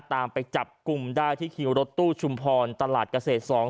ตามไปจับกลุ่มได้ที่คิวรถตู้ชุมพรตลาดเกษตรสอง